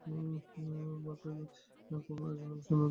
ভারতের কোল-মুন্ডা জনগোষ্ঠীর অন্যতম প্রধান ভাষা এখনও অসুর।